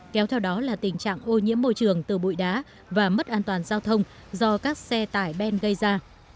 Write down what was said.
kéo theo đó là tình trạng ô nhiễm môi trường từ bụi đá và mất an toàn giao thông do các xe tải ben gây ra